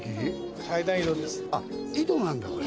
井戸なんだこれ。